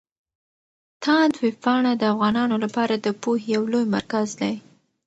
تاند ویبپاڼه د افغانانو لپاره د پوهې يو لوی مرکز دی.